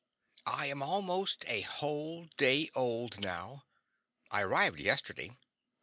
I am almost a whole day old, now. I arrived yesterday.